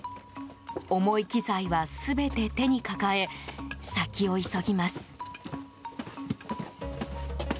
重い機材は全て手に抱え先を急ぎます。